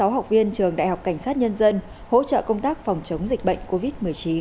sáu học viên trường đại học cảnh sát nhân dân hỗ trợ công tác phòng chống dịch bệnh covid một mươi chín